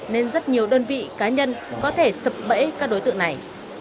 nên rất nhiều đơn vị cá nhân có thể sập bẫy các đối tượng này